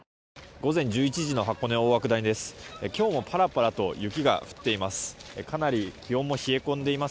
午前１１時の箱根大涌谷です。